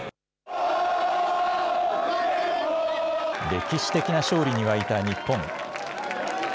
歴史的な勝利に沸いた日本。